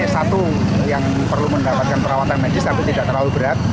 satu yang perlu mendapatkan perawatan medis tapi tidak terlalu berat